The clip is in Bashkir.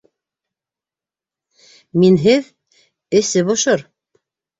Минһеҙ эсе бошор!